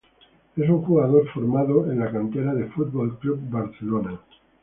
Es un jugador formado en la cantera del Fútbol Club Barcelona.